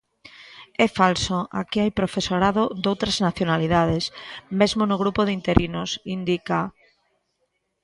É falso, aquí hai profesorado doutras nacionalidades, mesmo no grupo de interinos, indica.